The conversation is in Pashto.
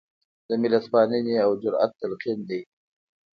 د ملتپالنې او جرات تلقین دی.